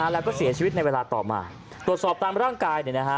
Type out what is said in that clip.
แล้วก็เสียชีวิตในเวลาต่อมาตรวจสอบตามร่างกาย